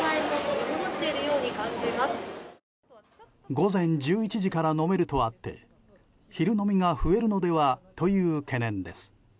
午前１１時から飲めるとあって昼飲みが増えるのではという懸念です。